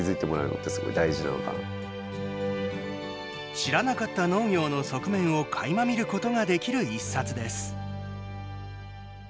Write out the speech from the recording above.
知らなかった農業の側面をかいま見ることができる１冊です。